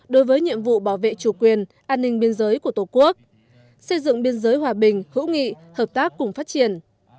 đối với nhiệm vụ bảo vệ chủ quyền an ninh biên giới của tổ quốc xây dựng biên giới hòa bình hữu nghị hợp tác cùng phát triển